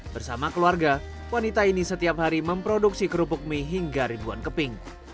bersama keluarga wanita ini setiap hari memproduksi kerupuk mie hingga ribuan keping